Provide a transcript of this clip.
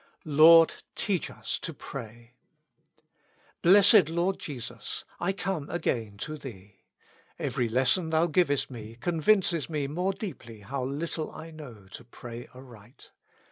"Lord teach us to pray." Blessed Lord Jesus ! I come again to Thee. Every lesson Thou givest me convinces me more deeply how little I know to pray aright.